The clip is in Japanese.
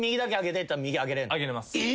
上げれます。